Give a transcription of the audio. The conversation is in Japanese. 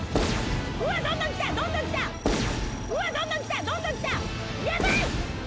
うわどんどん来たどんどん来たうわどんどん来たどんどん来たやばい！